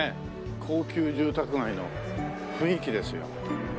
高級住宅街の雰囲気ですよ。